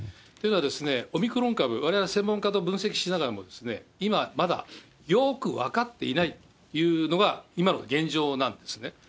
というのはオミクロン株、われわれ専門家と分析しながらも、今まだよく分かっていないというのが今の現状なんですね。